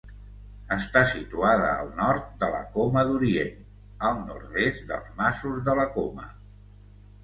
Està situada al nord de la Coma d'Orient, al nord-est dels Masos de la Coma.